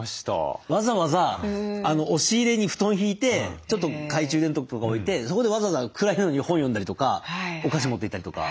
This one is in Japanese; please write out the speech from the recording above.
わざわざ押し入れに布団敷いてちょっと懐中電灯とか置いてそこでわざわざ暗いのに本読んだりとかお菓子持っていったりとか。